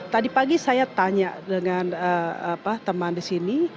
tadi pagi saya tanya dengan teman di sini